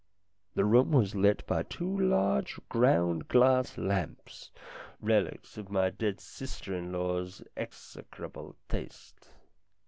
The room was lit by two large ground glass lamps, relics of my dead sister in law's execrable taste.